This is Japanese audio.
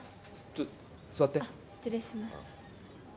ちょっと座って失礼します